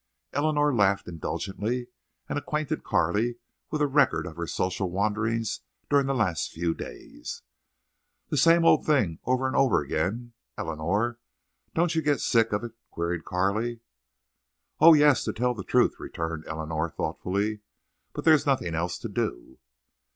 Eleanor laughed indulgently, and acquainted Carley with a record of her social wanderings during the last few days. "The same old things—over and over again! Eleanor don't you get sick of it?" queried Carley. "Oh yes, to tell the truth," returned Eleanor, thoughtfully. "But there's nothing else to do."